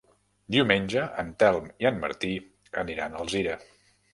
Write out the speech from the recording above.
Diumenge en Telm i en Martí aniran a Alzira.